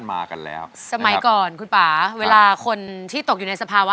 มากันแล้วสมัยก่อนคุณป่าเวลาคนที่ตกอยู่ในสภาวะ